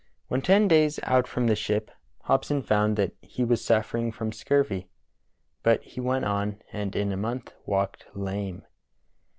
When ten days out from the ship Hobson found that he was suffering from scurvy, but he went on and in a month walked lame.